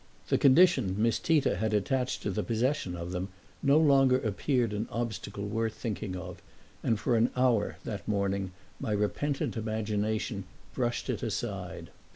The condition Miss Tita had attached to the possession of them no longer appeared an obstacle worth thinking of, and for an hour, that morning, my repentant imagination brushed it aside.